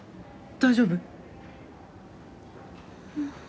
大丈夫？